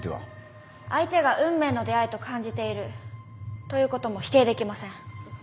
相手が運命の出会いと感じているということも否定できません。